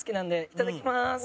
いただきます。